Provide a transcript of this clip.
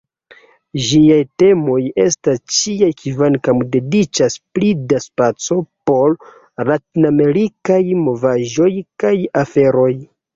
Ĝiaj temoj estas ĉiaj kvankam dediĉas pli da spaco por latinamerikaj novaĵoj kaj aferoj.